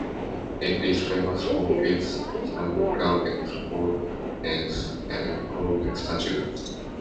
It is famous for its stunning gardens, fountains, and golden statues.